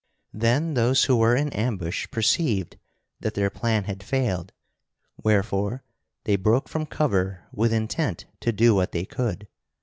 Then those who were in ambush perceived that their plan had failed wherefore they broke from cover with intent to do what they could.